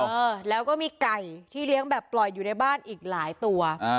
เออแล้วก็มีไก่ที่เลี้ยงแบบปล่อยอยู่ในบ้านอีกหลายตัวอ่า